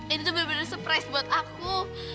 ini tuh bener bener surprise buat aku